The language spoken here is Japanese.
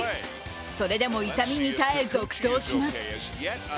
それでも痛みに耐え、続投します。